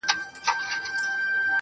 ستا د تورو سترگو اوښکي به پر پاسم.